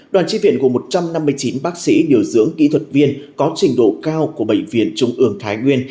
đoàn tri viện gồm một trăm năm mươi chín bác sĩ điều dưỡng kỹ thuật viên có trình độ cao của bệnh viện trung ương thái nguyên